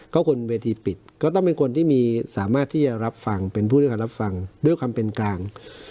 ก็คนเวทีปิดก็ต้องเป็นคนที่มีสามารถที่จะรับฟังเป็นผู้ที่เขารับฟังด้วยความเป็นกลาง